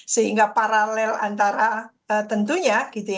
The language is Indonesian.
sehingga paralel antara tentunya